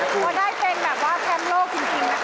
ก็ได้เป็นแบบว่าแชมป์โลกจริงนะคะ